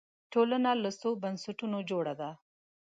ټولنه له څو بنسټونو جوړه ده